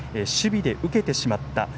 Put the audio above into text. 守備で受けてしまった。